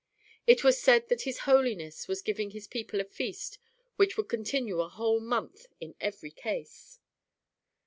It was said that his holiness was giving his people a feast which would continue a whole month in every case.